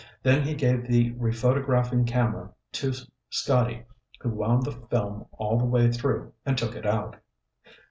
Then he gave the rephotographing camera to Scotty who wound the film all the way through and took it out.